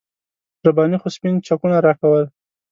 رباني خو سپین چکونه راکول.